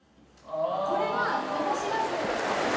これは私がそうだったんですよ。